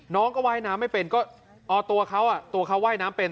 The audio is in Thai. น้องก็ว่ายน้ำไม่เป็นก็ตัวเขาตัวเขาว่ายน้ำเป็น